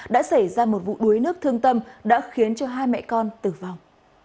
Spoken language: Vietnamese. đã xảy ra một vụ đuối nước thương tâm đã khiến cho hai mẹ con tử vong